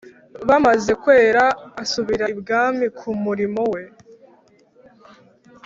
bamaze kwera asubira ibwami ku murimo we